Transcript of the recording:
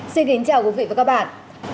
xin kính chào quý vị và các bạn